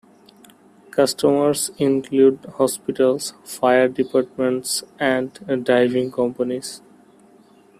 Customers include hospitals, fire departments and diving companies.